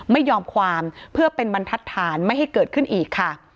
ไม่ยอมความเพื่อเป็นบรรทัดฐานไม่ให้เกิดขึ้นอีกค่ะ